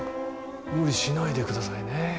無理しないでくださいね。